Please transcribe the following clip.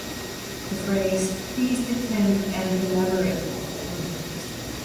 The phrase pleased him and he elaborated upon it.